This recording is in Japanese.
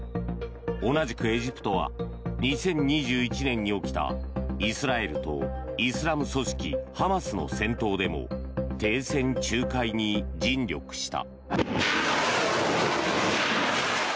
同じくエジプトは２０２１年に起きたイスラエルとイスラム組織ハマスの戦闘でも停戦仲介に尽力した。